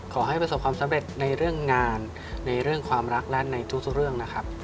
ขอให้ประสบความสำเร็จในเรื่องงานในเรื่องความรักและในทุกเรื่องนะครับ